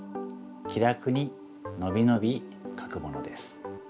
気楽にのびのびかくものです。